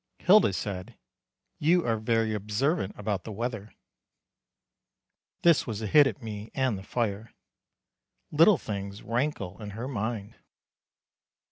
Hilda said: "You are very observant about the weather." This was a hit at me and the fire. Little things rankle in her mind.